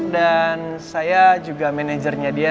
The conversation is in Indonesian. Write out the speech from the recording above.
dan saya juga manajernya dia